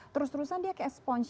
terus terusan dia kayak sponge